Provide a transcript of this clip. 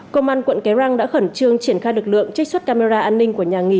công an quận cái răng đã khẩn trương triển khai lực lượng trách suất camera an ninh của nhà nghỉ